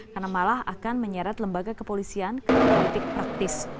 karena malah akan menyeret lembaga kepolisian ke politik praktis